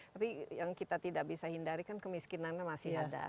tapi yang kita tidak bisa hindari kan kemiskinannya masih ada